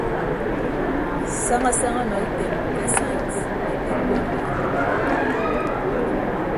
Saña saña ọnọ item ke sains mme teknọrọyi.